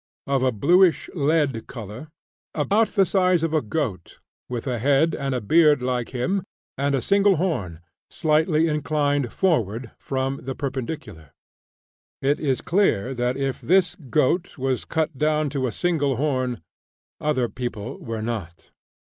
"of a bluish lead color, about the size of a goat, with a head and a beard like him, and a single horn, slightly inclined forward from, the perpendicular" it is clear that if this goat was cut down to a single horn, other people were not!